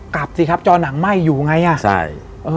กลับสิครับจอหนังไหม้อยู่ไงอ่ะใช่